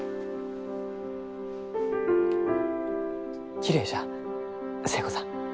きれいじゃ寿恵子さん。